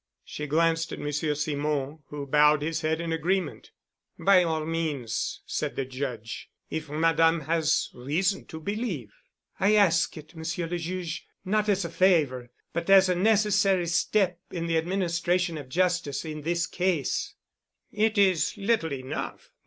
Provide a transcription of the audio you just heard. She glanced at Monsieur Simon, who bowed his head in agreement. "By all means," said the Judge, "if Madame has reason to believe——" "I ask it, Monsieur le Juge, not as a favor, but as a necessary step in the administration of justice in this case." "It is little enough.